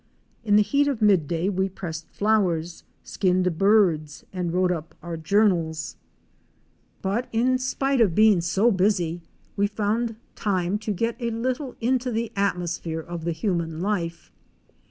In the heat of midday we pressed flowers, skinned birds and wrote up our journals, 94 OUR SEARCH FOR A WILDERNESS. but in spite of being so busy, we found time to get a little into the atmosphere of the human life.